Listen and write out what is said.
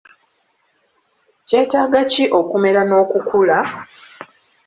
Kyetaaga ki okumera n'okukula?